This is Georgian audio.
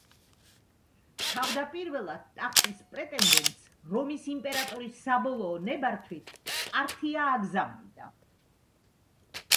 თავდაპირველად ტახტის პრეტენდენტს რომის იმპერატორის საბოლოო ნებართვით პართია აგზავნიდა.